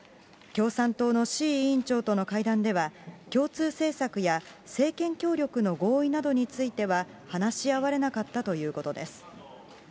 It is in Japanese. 共産党の志位委員長との会談では、共通政策や政権協力の合意などについては、話し合われなかったということです。